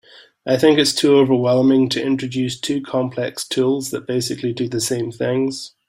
I think it’s too overwhelming to introduce two complex tools that basically do the same things.